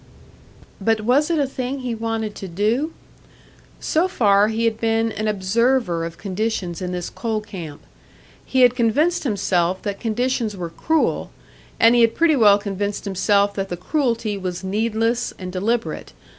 But was it a thing he wanted to do? So far he had been an observer of conditions in this coal camp. He had convinced himself that conditions were cruel, and he had pretty well convinced himself that the cruelty was needless and deliberate.